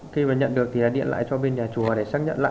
khi mà nhận được thì điện lại cho bên nhà chùa để xác nhận lại